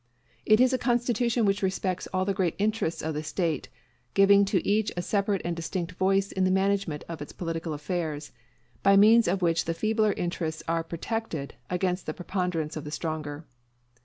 It is a constitution which respects all the great interests of the State, giving to each a separate and distinct voice in the management of its political affairs, by means of which the feebler interests are protected against the preponderance of the stronger.